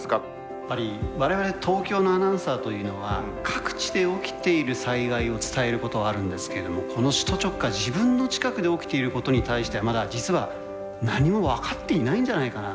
やっぱり我々東京のアナウンサーというのは各地で起きている災害を伝えることはあるんですけれどもこの首都直下自分の近くで起きていることに対してはまだ実は何も分かっていないんじゃないかなと。